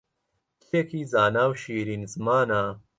کچێکی زانا و شیرین زمانە